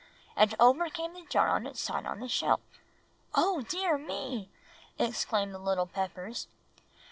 And over came the jar on its side on the shelf!" "Oh, dear me!" exclaimed the little Peppers.